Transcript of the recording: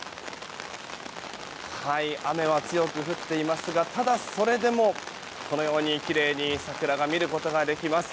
雨は強く降っていますがただそれでもこのようにきれいに桜を見ることができます。